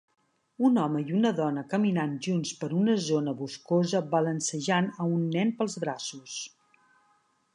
Un home i una dona caminant junts per una zona boscosa balancejant a un nen pels braços.